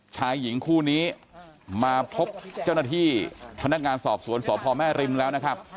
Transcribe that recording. ชายหญิงคู่นี้มาพบเจ้าหน้าที่พนักงานสอบสวนสพแม่ริมแล้วนะครับ